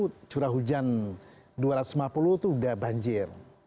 itu curah hujan dua ratus lima puluh itu sudah banjir